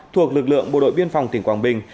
thuộc lực lượng bộ đội biên phòng tỉnh quảng bình